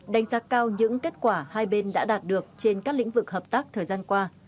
đánh giá cao những kết quả hai bên đã đạt được trên các lĩnh vực hợp tác thời gian qua